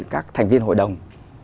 các thành viên hội đồng